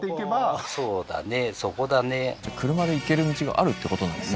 うんじゃあ車で行ける道があるってことなんですね